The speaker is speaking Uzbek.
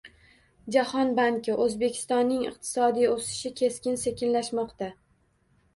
Jahon banki: O'zbekistonning iqtisodiy o'sishi keskin sekinlashmoqda